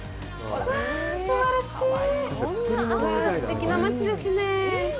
うわぁ、すてきな街ですね。